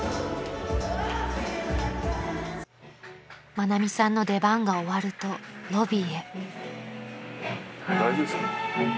［愛美さんの出番が終わるとロビーへ］